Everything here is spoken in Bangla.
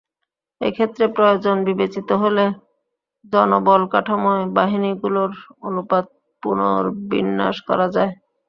এ ক্ষেত্রে প্রয়োজন বিবেচিত হলে জনবলকাঠামোয় বাহিনীগুলোর অনুপাত পুনর্বিন্যাস করা যায়।